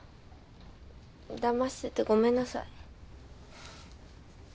だましててごめんなさい。